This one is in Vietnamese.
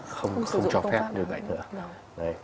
không cho phép như vậy nữa